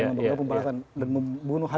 dan membunuh habis orang lain